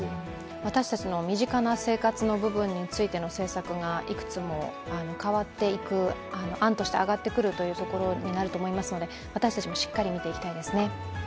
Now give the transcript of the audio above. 私たちの身近な生活の部分についての政策がいくつも変わっていく、案として上がってくるというところだと思いますので、私たちもしっかり見ていきたいですね。